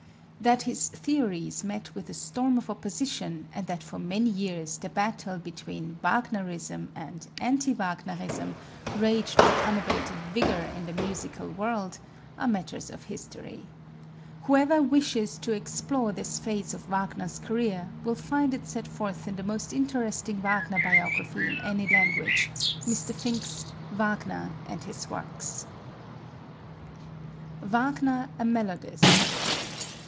That his theories met with a storm of opposition and that for many years the battle between Wagnerism and anti Wagnerism raged with unabated vigor in the musical world, are matters of history. Whoever wishes to explore this phase of Wagner's career will find it set forth in the most interesting Wagner biography in any language, Mr. Finck's "Wagner and His Works." Wagner a Melodist.